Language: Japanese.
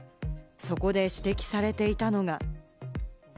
そこで指摘されていたのが。